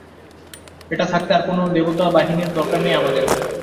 এটা থাকতে আর কোনো দেবতাবাহিনীর দরকার নেই আমাদের।